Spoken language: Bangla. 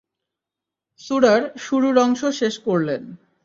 সূরার শুরুর অংশ শেষ করলেন।